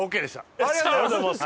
ありがとうございます。